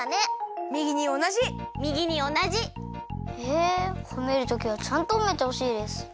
えほめるときはちゃんとほめてほしいです。